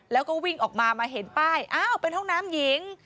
แล้วก็วิ่งออกมามาเห็นป้ายอ้าวเป็นห้องน้ำหญิง